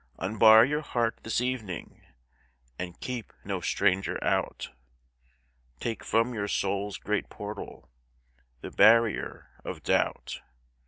Unbar your heart this evening And keep no stranger out, Take from your soul's great portal The barrier of doubt.